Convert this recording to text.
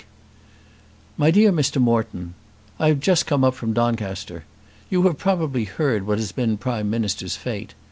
MY DEAR MR. MORETON, I have just come up from Doncaster. You have probably heard what has been Prime Minister's fate.